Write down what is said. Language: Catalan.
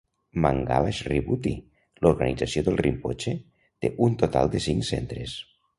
Mangala Shri Bhuti, l'organització de Rinpoche, té un total de cinc centres.